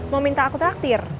mau minta aku traktir